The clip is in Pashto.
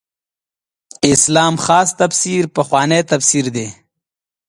اسلام خاص تفسیر پخوانو تفسیر دی.